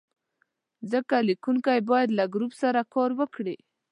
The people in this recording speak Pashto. ځکه لیکونکی باید له ګروپ سره کار وکړي.